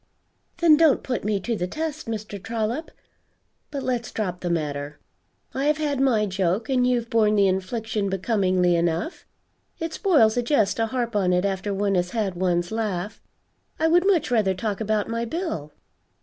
"Then don't put me to the test, Mr. Trollop. But let's drop the matter. I have had my joke and you've borne the infliction becomingly enough. It spoils a jest to harp on it after one has had one's laugh. I would much rather talk about my bill."